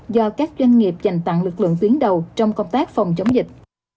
do các doanh nghiệp dành tặng lực lượng tuyến đầu trong công tác phòng chống dịch